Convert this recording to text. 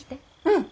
うん！